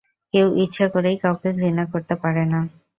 কেউ ইচ্ছা করেই কাউকে ঘৃণা করতে পারে না।